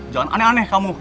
jangan aneh aneh kamu